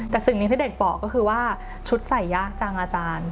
แต่สิ่งหนึ่งที่เด็กบอกก็คือว่าชุดใส่ยากจังอาจารย์